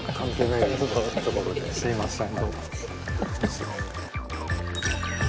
すいません。